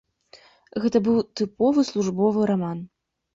Гэта быў тыповы службовы раман.